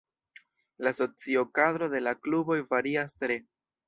La socia kadro de la kluboj varias tre.